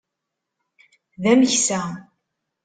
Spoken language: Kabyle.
D ameksa.